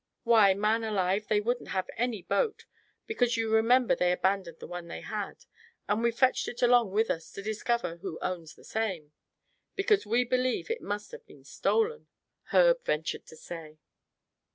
"Why, man alive, they wouldn't have any boat, because you remember they abandoned the one they had, and we've fetched it along with us, to discover who owns the same, because we believe it must have been stolen," Herb ventured to say.